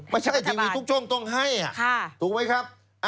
ไม่ใช่ทีวีทุกช่องต้องให้ถูกไหมครับ